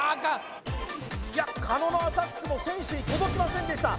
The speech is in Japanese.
いや狩野のアタックも選手に届きませんでした